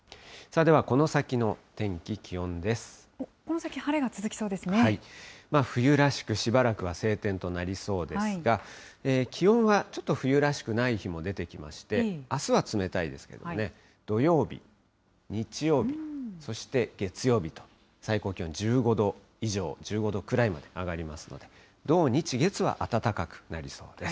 この先、冬らしく、しばらくは晴天となりそうですが、気温はちょっと冬らしくない日も出てきまして、あすは冷たいですけどもね、土曜日、日曜日、そして月曜日と、最高気温１５度以上、１５度くらいまで上がりますので、土、日、月は暖かくなりそうです。